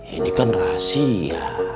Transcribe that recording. ini kan rahasia